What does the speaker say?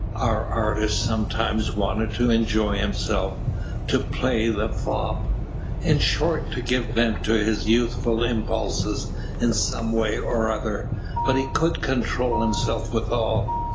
Our artist sometimes wanted to enjoy himself, to play the fop, in short, to give vent to his youthful impulses in some way or other; but he could control himself withal.